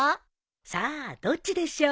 さあどっちでしょう。